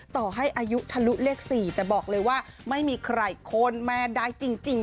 ต่อให้อายุทะลุเลข๔แต่บอกเลยว่าไม่มีใครโค้นแม่ได้จริง